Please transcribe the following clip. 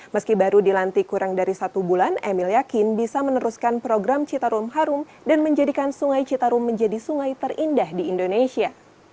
meski baru dilantik kurang dari satu bulan emil yakin bisa meneruskan program citarum harum dan menjadikan sungai citarum menjadi sungai terindah di indonesia